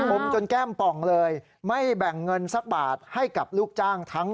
มจนแก้มป่องเลยไม่แบ่งเงินสักบาทให้กับลูกจ้างทั้ง